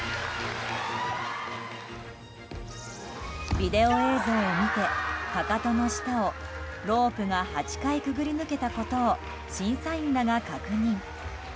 ビデオ映像を見て、かかとの下をロープが８回くぐり抜けたことを審査員らが確認。